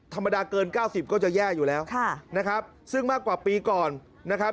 ธรรมดาเกิน๙๐ก็จะแย่อยู่แล้วนะครับซึ่งมากกว่าปีก่อนนะครับ